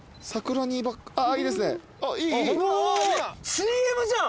ＣＭじゃん！